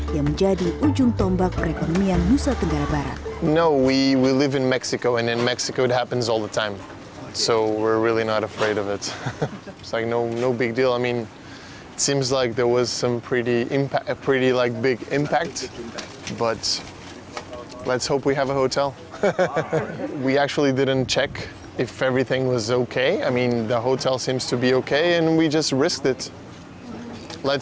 yang menjadi ujung tombak perekonomian musa tenggara barat